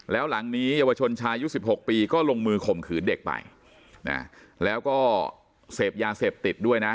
แล้วหลังนี้เยาวชนชายุ๑๖ปีก็ลงมือข่มขืนเด็กไปนะแล้วก็เสพยาเสพติดด้วยนะ